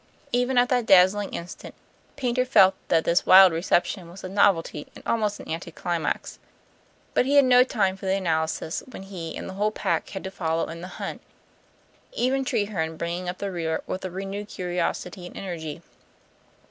Even at that dazzling instant Paynter felt that this wild reception was a novelty and almost an anticlimax; but he had no time for analysis when he and the whole pack had to follow in the hunt; even Treherne bringing up the rear with a renewed curiosity and energy.